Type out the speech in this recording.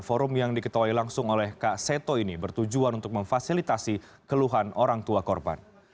forum yang diketuai langsung oleh kak seto ini bertujuan untuk memfasilitasi keluhan orang tua korban